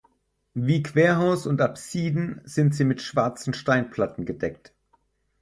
Wie Querhaus und Apsiden sind sie mit schwarzen Steinplatten gedeckt.